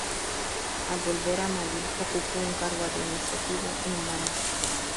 Al volver a Mali, ocupó un cargo administrativo en Bamako.